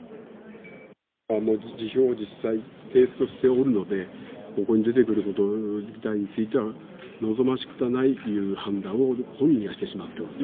辞表を実際、提出をしておるので、ここに出てくること自体については、望ましくないという判断を本人がしてしまっておると。